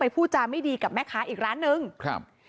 พูดจาไม่ดีกับแม่ค้าอีกร้านหนึ่งครับ